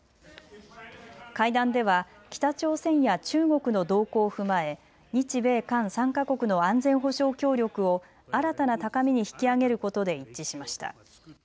会談では北朝鮮や中国の動向を踏まえ日米韓３か国の安全保障協力を新たな高みに引き上げることで一致しました。